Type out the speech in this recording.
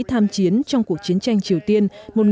tham chiến trong cuộc chiến tranh triều tiên